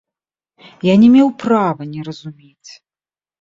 Я не меў права не разумець.